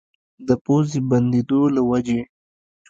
د پوزې بندېدو له وجې